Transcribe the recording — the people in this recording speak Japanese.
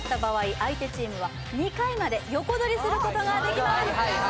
相手チームは２回まで横取りすることができます